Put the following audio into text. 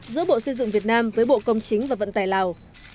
giữa bộ xây dựng việt nam với bộ công chính và vận tải lào